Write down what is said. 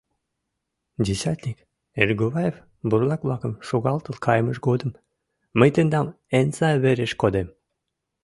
Десятник Эргуваев бурлак-влакым шогалтыл кайымыж годым «Мый тендам эн сай вереш кодем.